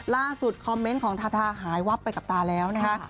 คอมเมนต์ของทาทาหายวับไปกับตาแล้วนะคะ